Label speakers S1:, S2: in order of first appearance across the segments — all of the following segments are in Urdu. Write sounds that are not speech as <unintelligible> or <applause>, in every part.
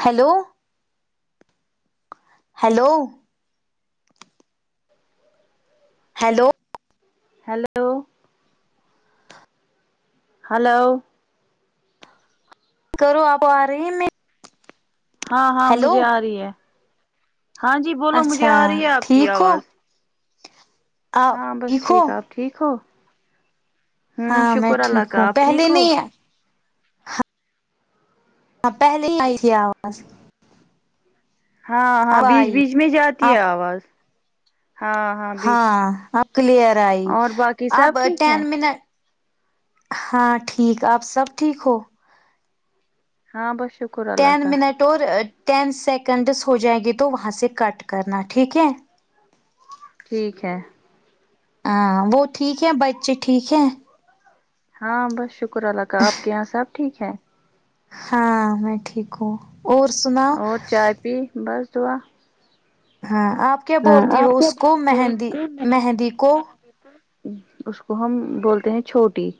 S1: Hello hello hello
S2: hello hello
S1: کرو آپ آ رہی ہیں میں
S2: ہاں ہاں
S1: ہیلو
S2: مجھے آ رہی ہے ہاں جی بولو مجھے
S1: اچھا
S2: آ رہی ہے آپ کی
S1: ٹھیک ہو
S2: آواز
S1: آپ
S2: ہاں بس
S1: ہو
S2: ٹھیک آپ ٹھیک ہو ہوں
S1: ہاں میں
S2: شکر اللہ
S1: ٹھیک
S2: کا
S1: ہوں
S2: آپ ٹھیک
S1: پہلے
S2: ہو
S1: نہیں ہاں ہاں پہلے آئی تھی آواز
S2: ہاں ہاں
S1: اب
S2: بیچ
S1: آئی
S2: بیچ میں جاتی ہے
S1: آپ
S2: آواز ہاں
S1: ہاں اب کلیئر آئی
S2: اور باقی
S1: اب
S2: سب ٹھیک
S1: ٹین
S2: ہے
S1: منٹ ہاں ٹھیک آپ سب ٹھیک ہو
S2: ہاں بس شک
S1: ٹین منٹ اور ٹین سیکنڈس ہو جائیں گی تو وہاں سے کٹ کرنا ٹھیک ہے
S2: ٹھیک ہے
S1: ہاں وہ ٹھیک ہے بچے ٹھیک ہیں
S2: ہاں بس شکر اللہ کا آپ کے یہاں سب ٹھیک ہے
S1: ہاں میں ٹھیک ہوں اور سنو
S2: جی بس دعا
S1: ہاں آپ کیا
S2: ہاں
S1: بولتی
S2: آپ
S1: ہو اس کو مہندی مہندی کو
S2: اس کو ہم بولتے ہیں چھوٹی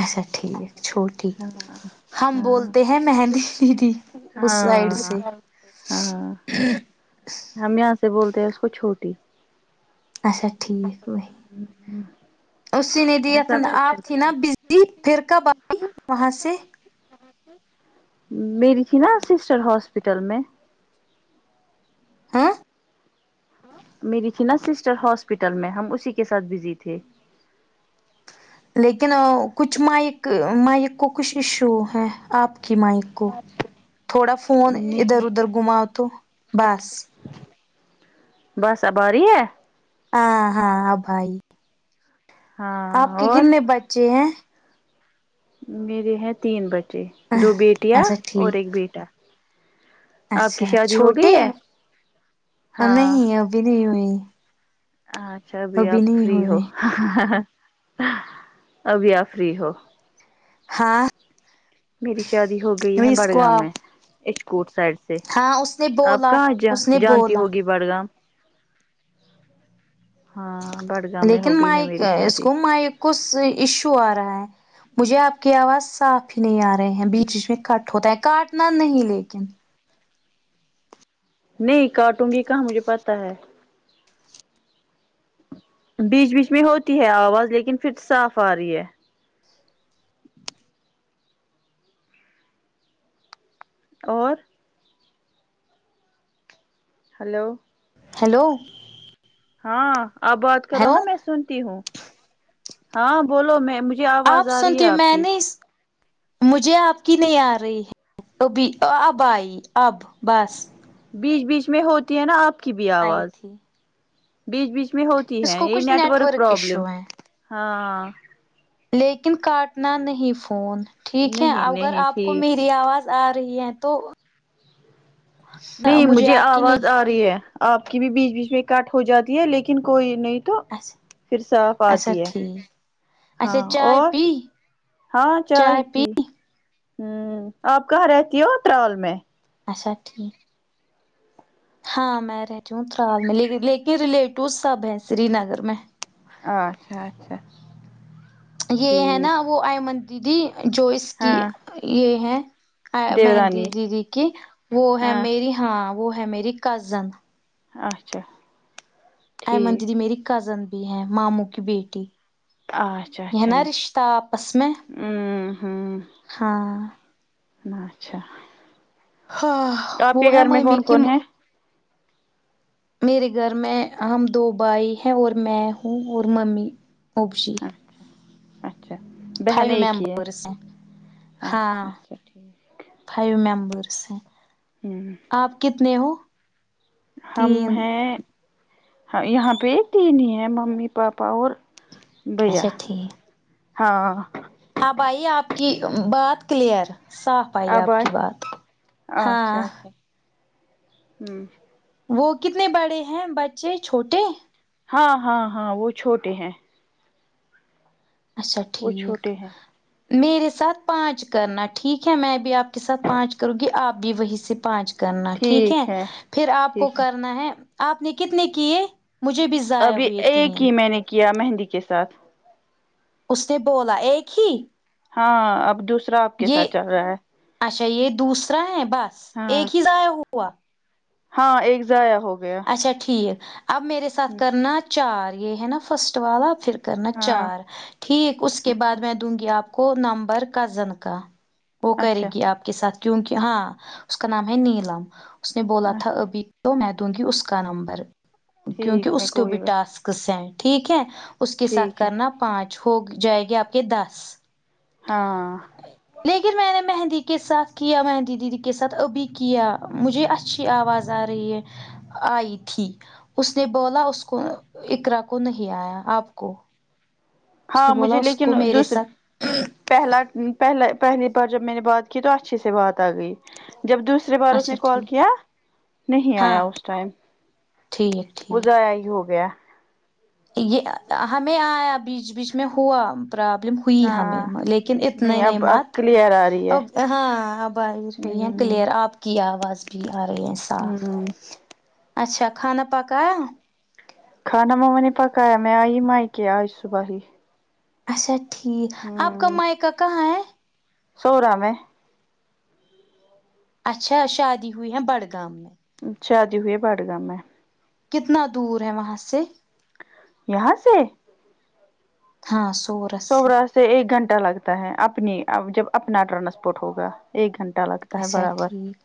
S1: اچھا ٹھیک چھو ٹی
S2: ہاں
S1: ہم
S2: ہاں
S1: بولتے ہیں مہندی دیدی اس سائڈ سے
S2: ہاں ہاں ہم یہاں سے بولتے ہیں اس کو چھوٹی
S1: اچھا ٹھیک وہی اسی نے
S2: میں
S1: دیا تھا
S2: سب سے
S1: آپ تھی
S2: چھوٹی
S1: نا
S2: ہوں
S1: بزی پھر کب آئی وہاں سے
S2: میری تھی نا سسٹر ہاسپٹل میں
S1: آہ
S2: میری تھی نا سسٹر ہاسپٹل میں ہم اسی کے ساتھ بزی تھے
S1: لیکن کچھ مائک مائک کو کچھ ایشو ہے آپ کی مائک کو تھوڑا فون ادھر
S2: نہیں
S1: ادھر گھماؤ تو بس
S2: بس اب اری ہے
S1: آ ہاں آب ائی آپ
S2: ہاں
S1: کے
S2: اور
S1: کتنے بچے ہیں
S2: میرے ہیں تین بچے دو بیٹیاں
S1: اچھا
S2: اور
S1: ٹھیک
S2: ایک بیٹا آپ کی
S1: اچھا
S2: شادی ہو
S1: چھوٹے
S2: گئی ہے ہاں
S1: نہیں ابھی نہیں ہوئی
S2: اچھا ابھی آپ
S1: نہیں
S2: فری ہو
S1: ہوئی
S2: ابھی آپ فری ہو
S1: ہاں
S2: میری شادی ہو گئی ہے
S1: اس کو
S2: بڑگام میں
S1: آپ
S2: اچکوٹ س سائڈ سے
S1: ہاں اس نے
S2: آپ
S1: بولا
S2: کہاں جا
S1: اس نے
S2: جاتی
S1: بولا
S2: ہوگی بڑگام ہاں بڑ
S1: لیکن مائک اس کو مائک کچھ ایشو آ رہا ہے مجھے آپ کی آواز صاف پھی نہیں آ رہے ہیں بیچ بیچ میں کٹ ہوتا ہے کاٹنا نہیں لیکن
S2: نہیں کٹوگی کہاں مجھے پتا ہے بیچ بیچ میں ہوتی ہے آواز لیکن فیر صاف آ رہی ہے اور ہلو
S1: ہیلو
S2: ہاں آپ بات کرو
S1: ہیلو
S2: نا میں سنتی ہوں ہاں بولو میں مج
S1: آپ سنتی ہوں میں نے مجھے آپ کی نہیں آ رہی ہے وہ بھی ا اب آئی اب بس
S2: بیچ بیچ میں ہوتی ہے نا آپ کی بھی
S1: آئی
S2: آواز
S1: تھی
S2: بیچ بیچ میں ہو تی
S1: اس
S2: ہے
S1: کو
S2: یہی
S1: کچھ
S2: نیٹ ورک پرابلم
S1: ایشو ہے
S2: ہاں
S1: لیکن کاٹنا نہیں فون ٹھیک ہے
S2: نہیں
S1: اگر
S2: نہیں
S1: آپ کو
S2: ٹھیک
S1: می ری آواز آ رہی ہے تو
S2: نہیں مجھے
S1: آپ کی
S2: آواز
S1: نہیں
S2: آ رہی ہے آپ کی بھی بیچ بیچ میں کٹ ہو جاتی ہے لیکن کوئی نہیں تو
S1: اچھا
S2: پھر صاف
S1: اچھا
S2: آتی ہے
S1: ٹھیک اچھا
S2: ہاں
S1: چائے
S2: اور
S1: پی
S2: ہاں چائے پی ہوں آپ کہاں رہتی ہو ٹراول میں
S1: اچھا ٹھیک ہاں میں رہتی ہوں ٹراول میں لے لیکن ریلیٹو سب ہے سری نگر میں
S2: ہاں آچھا اچھا
S1: یہ ہے نا
S2: ٹھیک
S1: وہ آئمن دیدی جو اس کی
S2: ہاں
S1: یہ ہے مہندی
S2: دیورانی
S1: دیدی کی وہ ہے
S2: ہاں
S1: میری ہاں وہ ہے میری کزن
S2: اچھا
S1: ایمن
S2: ٹھیک
S1: دیدی میری کزن بھی ہے ماموں کی بیٹی
S2: آچھا
S1: یہ ہے
S2: اچھا ان
S1: نا رشتہ آپس میں
S2: ہوں
S1: ہاں
S2: نا اچھا
S1: ہاں
S2: آپ
S1: وہ
S2: کے
S1: ہے
S2: گھر میں
S1: مامی
S2: کون
S1: کی
S2: کون
S1: ماں
S2: ہے
S1: میرے گھر میں ہم دو بھائی ہیں اور میں ہوں اور ممی اوپشی
S2: اچھا اچھا بہن ایک ہی ہے
S1: ممبرس ہیں ہاں
S2: اچھا اچھا ٹھیک
S1: فائیو ممبرس ہیں
S2: ہوں
S1: آپ کتنے ہو
S2: ہم
S1: تین
S2: ہے یہاں پہ تین ہی ہے ممی پاپا اور بھیا
S1: اچھا ٹھیک
S2: ہاں
S1: آب آئی آپ کی بات کلیئر صاف آئی
S2: اب
S1: آپ
S2: آئے
S1: کی بات ہاں
S2: اچھا اچھا ہوں
S1: وہ کتنے بڑے ہیں بچے چھوٹے
S2: ہاں ہاں ہاں وہ چھوٹے ہیں
S1: اچھا
S2: وہ
S1: ٹھیک
S2: چھوٹے ہیں
S1: میرے ساتھ پانچ کرنا ٹھیک ہے میں بھی آپ کے ساتھ پانچ کروں گی آپ بھی وہیں سے پانچ کرنا ٹھیک ہے پھر آپ کو کرنا ہے آپ نے کتنے کئے مجھے بھی ضائع
S2: ابھی
S1: ہوئے تین
S2: ایک ہی میں نے کیا مہندی کے ساتھ
S1: اس نے بولا ایک ہی
S2: ہاں اب دوسرا آپ کے
S1: یہ
S2: ساتھ چل رہا ہے
S1: اچھا یہ دوسرا ہے بس
S2: ہاں
S1: ایک ہی ضیائح ہوا
S2: ہاں ایک ضیاء ہو گیا
S1: اچھا ٹھیک اب میرے ساتھ کرنا چار یہ ہے نا فسٹ والا پھر کرنا
S2: ہاں
S1: چار ٹھیک اس کے بعد
S2: اچھا
S1: میں دوں گی آپ کو نمبر کا زن کا وہ کرے
S2: اچھا
S1: گی آپ کے ساتھ کیوکے ہاں اس کا نام ہے نیلم اس نے بولا تھا
S2: اچھا
S1: ابھی تو میں دوں گی اس کا نمبر کیونکہ
S2: ٹھیک
S1: اس
S2: ہے
S1: کے
S2: کوئی
S1: بھی
S2: بات
S1: ٹاسک س ٹھیک ہے اس کے ساتھ
S2: ٹھیک ہے
S1: کرنا پانچ ہو جائے گی آپ کے دس
S2: ہاں
S1: لیکن میں نے مہندی کے ساتھ کیا مہندی دیدی کے ساتھ ابھی کیا مجھے اچھی آواز آ رہی ہے آئی تھی اس نے بولا اس کو اکرا کو نہیں آیا آپ کو اس
S2: ہاں
S1: نے بولا
S2: مجھے
S1: اس
S2: لیکن
S1: کو میرے
S2: دوسرے
S1: ساتھ
S2: پہلا پہلا پہلی بار جب میں نے بات کی تو اچھے سے بات آ گئی جب دوسری دوسری بار اس
S1: اچھا
S2: نے کال
S1: ٹھیک
S2: کیا نہیں
S1: ہاں
S2: آیا اس ٹائم
S1: ٹھیک
S2: وہ
S1: ٹھیک
S2: ضیاء ہی ہوگیا
S1: یہ ہمیں آیا بیچ بیچ میں ہوا پرابلم ہوئی
S2: ہاں
S1: ہمیں لیکن اتنے نہیں
S2: اب اب
S1: مت
S2: کلیئر آ رہی ہے
S1: اب ہاں اب آ رہی ہیں کلیئر
S2: ہمم
S1: کلیئر آپ کی آواز بھی آ رہی ہے صاف
S2: ھم
S1: اچھا کھانا پکا
S2: کھانا مما نے پکایا میں آئی مائکے آج صبح ہی
S1: اچھا ٹھیک آپ کا مائیکہ کہاں ہے
S2: سوورام ہے
S1: اچھا شادی ہوئی ہے بڑگام میں
S2: شادی ہوئی ہے بڈگام میں
S1: کتنا دور ہے وہاں سے
S2: یہاں سے
S1: ہاں سورس سے
S2: سورا سے ایک گھنٹہ لگتا ہے اپنی جب اپنا ٹرانسپورٹ ہوگا ایک گھنٹہ لگ
S1: اچھا ٹھیک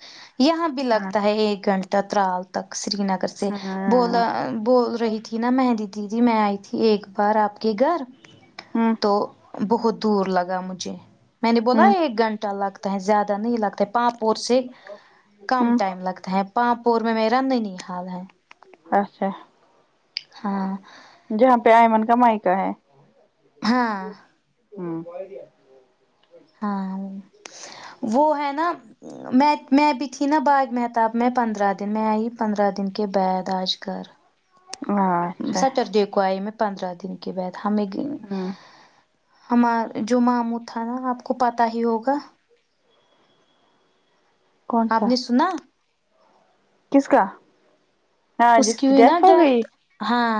S1: یہاں بھی
S2: ہاں
S1: لگتا ہے ایک گھنٹہ ترال تک سری نگر سے
S2: ہاں
S1: بولا بول رہی تھی نا مہندی دیدی میں آئی تھی ایک بار آپ کے گھر
S2: ہاں
S1: تو بہت دور لگا مجھے میں نے بولا
S2: ہمم
S1: ایک گھنٹہ لگتا ہے زیادہ نہیں لگتا ہے پاپور سے کم
S2: ہوں
S1: ٹائم لگتا ہے پاپور میں میرا ننیھال ہے
S2: اچھا
S1: ہاں
S2: جہاں پہ آئمن کا مائکہ ہے
S1: ہاں
S2: ہمم
S1: ہاں وہ وہ ہے نا میں میں بھی تھی بہت میکہ میں پندرہ دن میں آئی پندرہ دن کے بعد آج گھر
S2: ہاں اچھا
S1: سٹرڈے کو آئے میں پندرہ دن کے بعد ہمیں
S2: ہوں
S1: ہمار جو مامو تھا نا آپ کو پتہ ہی ہوگا
S2: کون
S1: آپ
S2: سا
S1: نے سنا
S2: کس کا ہاں جس کی ڈیتھ ہو گئی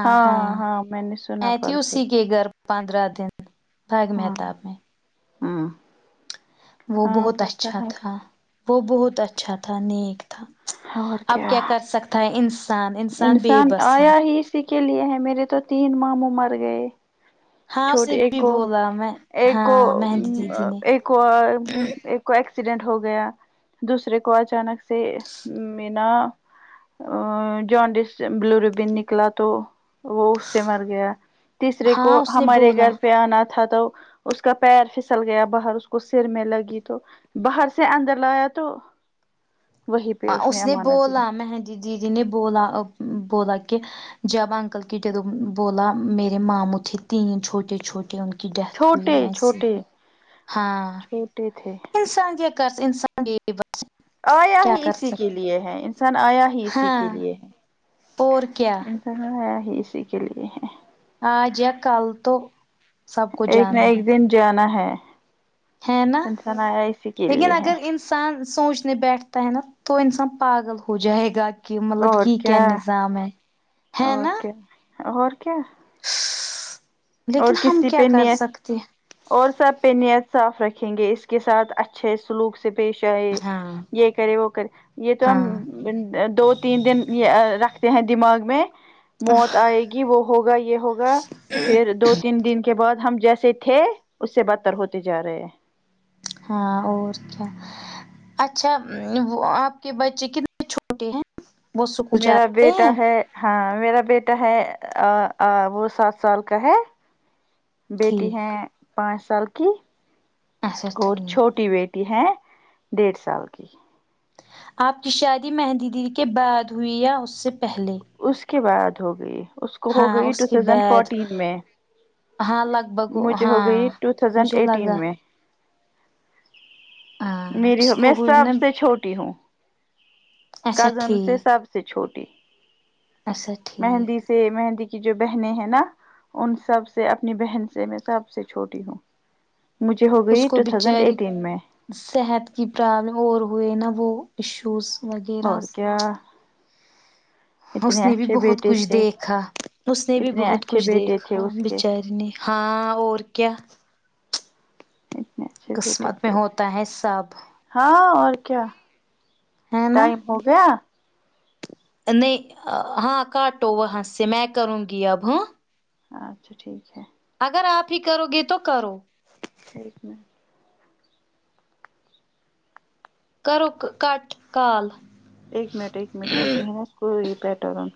S2: ہاں ہاں میں نے سنا
S1: میں تھی
S2: پرسوں ہی
S1: اسی کے گھر پندرہ دن باغ
S2: ہاں
S1: مہتاب میں
S2: ہمم
S1: وہ بہت اچھا تھا وہ بہت اچھا تھا نیک تھا اب کیا کر سکتا ہے انسان انسان بے بس ہیں
S2: آیا ہی اسی کے لیے ہے میرے تو تین ماموں مر گئے
S1: ہاں اسے
S2: چھوٹی
S1: بھی
S2: ایک وہ
S1: بولا میں
S2: ایک وہ
S1: ہاں مہندی دیدی نے
S2: ایک کو ایکسیڈینٹ ہو گیا دوسرے کو اچانک سے میں نا ا جوانڈس بلو ریبن نکلا تو وہ اس سے مر گیا تیسرے کو
S1: ہاں اس نے
S2: ہمارے
S1: بولا
S2: گھر پہ آنا تھا تو اس کا پیر پھسل گیا باہر اس کو سر میں لگی تو باہر سے اندر لایا تو وہی پہ
S1: اس نے
S2: امانت دیا
S1: بولا میھک جیجی نے بولا بولا کہ جب انکل کی ڈ بولا میرے مامو کے تین چھوٹے چھوٹے ان کے ان کی ڈیتھ ہوئی
S2: چھوٹے
S1: ایسی
S2: چھوٹے
S1: ہی ہاں
S2: چھوٹے تھے
S1: انسان کیا کر انسان بس
S2: آیا
S1: کیا
S2: ہی
S1: کر
S2: اسی کے
S1: سکتے
S2: لیے ہے انسان آیا ہی اسی
S1: ہاں
S2: کے لیے ہے
S1: اور کیا
S2: ہیں ہی اسی کے لیے ہے
S1: آج یا کل تو سب کو
S2: ایک نہ
S1: جانا
S2: ایک
S1: ہے
S2: دن جانا ہے
S1: ہے نا
S2: انسان آیا اسی کے
S1: لیکن
S2: لیے ہے
S1: اگر ان انسان سوچنے بیٹھتا ہے نا تو انسان پاگل ہو جائے گا کی مطلب یہ کیا نظام ہے ہے نا
S2: ہاں اور کیا اور
S1: لیکن ہم
S2: کسی
S1: کیا
S2: پہ
S1: کر
S2: نی
S1: سکتے ہیں۔
S2: اور سب پہ نیت صاف رکھیں گے اس کے ساتھ اچھے سلوک سے پیش آئے
S1: ہاں
S2: یہ کرے وہ کرے یہ تو ہم
S1: ہاں
S2: دو تین دن یہ رکھتے ہیں دماغ میں موت آئے گی وہ ہوگا یہ ہوگا پھر دو تین دن کے بعد ہم جیسے تھے اس سے بدتر ہوتے جا رہے ہیں
S1: ہاں اور کیا اچھا آپ کے بچے کتنے سال کے ہیں وہ اسکول
S2: میرا
S1: جاتے
S2: بیٹا
S1: ہیں
S2: ہے ہاں میرا بیٹا ہے آ آ وہ سات سال کا ہے بیٹی ہے
S1: ٹھیک
S2: پانچ سال کی
S1: اچھا
S2: اور
S1: ٹھیک
S2: چھوٹی بی ٹی ہے ڈیڑھ سال کی
S1: آپ کی شادی مہندی دی کے بعد ہوئی ہے یا اس سے پہلے
S2: اس کے بعد ہو گئی اس کو ہو
S1: ہاں
S2: گئی
S1: اس
S2: ٹو
S1: کے
S2: تھازینڈ
S1: بعد
S2: فورٹین میں
S1: ہاں لگ بھگ
S2: مجھے
S1: ہاں
S2: ہو گئی ٹو تھازینڈ
S1: مجھے لگا
S2: ایٹین میں
S1: ہاں
S2: میری
S1: اس
S2: میں
S1: کو ہوئی نا
S2: سب سے چھوٹی ہوں
S1: اچھا
S2: کزن سے
S1: ٹھیک
S2: سب سے چھوٹی
S1: اچھا
S2: مہندی
S1: ٹھیک
S2: سے مہندی کی جو بہنیں ہیں نا ان سب سے اپنی بہن سے میں سب سے چھوٹی ہوں مجھے ہو
S1: اس
S2: گئی
S1: کو
S2: ٹو تھاؤزینڈ
S1: بچاری
S2: ایٹین میں
S1: صحت کی پرابلم اور ہوئے نا وہ ایشوز وغیرہ
S2: اور کیا
S1: اس
S2: اتنے
S1: نے بھی
S2: اچھے
S1: بہت
S2: بیٹے
S1: کچھ
S2: تھے
S1: دیکھا اس نے بھی
S2: اتنے
S1: بہت
S2: اچھے
S1: کچھ
S2: بیٹے تھے
S1: دیکھا
S2: اس کے
S1: بیچاری نے ہاں اور کیا
S2: اتنے اچھے بیٹے
S1: قسمت
S2: تھے
S1: میں ہوتا ہے سب
S2: ہاں اور کیا
S1: ہے نا
S2: ٹائم ہو گیا
S1: نہیں ہاں کاٹو وہ سے میں کروں گی اب ہا
S2: اچھا ٹھیک ہے
S1: اگر آپ ہی کرو گے تو کرو
S2: <unintelligible>
S1: کرو کٹ کال
S2: اکہ منٹ اک منٹ مجہنا سور پیٹرن